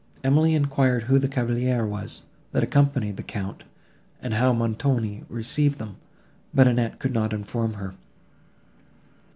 Emily enquired who the cavalier was, that accompanied the Count, and how Montoni received them; but Annette could not inform her.